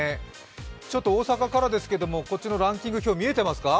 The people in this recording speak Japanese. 大阪からですけれども、ランキング表、見えてますか？